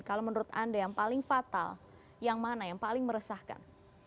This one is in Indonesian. kalau menurut anda yang paling fatal yang mana yang paling meresahkan